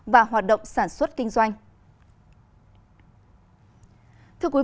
và hoạt động sản xuất kinh doanh